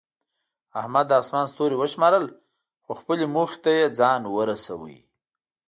احمد د اسمان ستوري وشمارل، خو خپلې موخې ته یې ځان ورسولو.